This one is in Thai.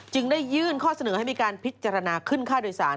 ได้ยื่นข้อเสนอให้มีการพิจารณาขึ้นค่าโดยสาร